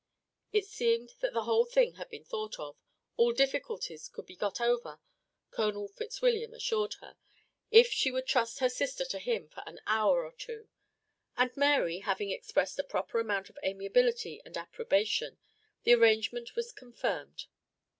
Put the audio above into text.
It seemed that the whole thing had been thought out all difficulties could be got over, Colonel Fitzwilliam assured her, if she would trust her sister to him for an hour or two; and Mary having expressed a proper amount of amiability and approbation, the arrangement was confirmed.